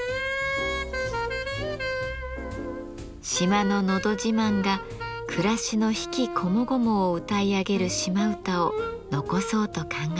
島ののど自慢が暮らしの悲喜こもごもを歌い上げる島唄を残そうと考えました。